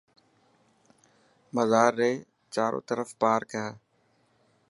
مزار ري چارو ترف پارڪ هي.